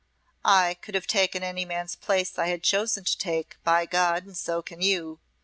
I could have taken any man's place I had chosen to take, by God, and so can you.